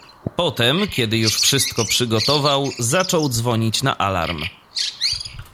"Potem kiedy już wszystko przygotował, zaczął dzwonić na alarm."